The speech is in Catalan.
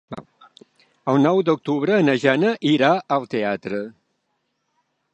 El nou d'octubre na Jana irà al teatre.